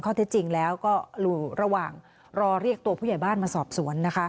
เท็จจริงแล้วก็อยู่ระหว่างรอเรียกตัวผู้ใหญ่บ้านมาสอบสวนนะคะ